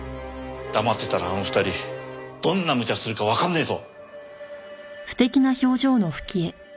黙ってたらあの２人どんな無茶するかわかんねえぞ。